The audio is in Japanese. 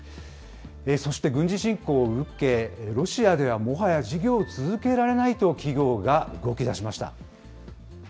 そして軍事侵攻を受け、ロシアではもはや事業を続けられないと、企業が動きだしました。